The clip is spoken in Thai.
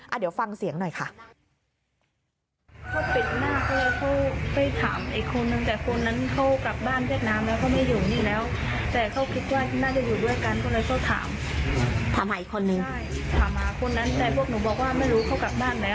เดี๋ยวฟังเสียงหน่อยค่ะ